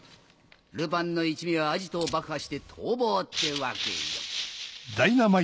ルパンの一味はアジトを爆破して逃亡ってわけよ。